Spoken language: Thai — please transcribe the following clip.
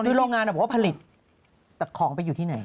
คือโรงงานบอกว่าผลิตแต่ของไปอยู่ที่ไหน